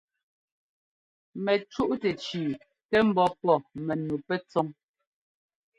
Mɛcúꞌtɛ tsʉʉ kɛ́ ḿbɔ́ pɔ́ mɛnu pɛtsɔ́ŋ.